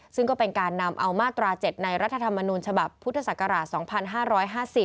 ซึ่งก็เป็นการนำเอามาตรา๗ในรัฐธรรมนูญฉบับพุทธศักราช๒๕๕๐